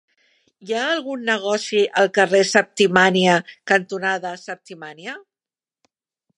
Hi ha algun negoci al carrer Septimània cantonada Septimània?